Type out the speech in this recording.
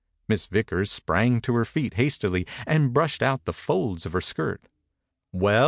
Miss Vickers sprang to her feet hastily and brushed out the folds of her skirt. "Well!"